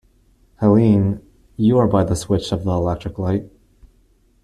Helene, you are by the switch of the electric light.